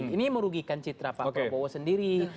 ini merugikan citra pak prabowo sendiri